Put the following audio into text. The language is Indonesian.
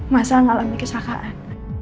masa ngalami kesalahan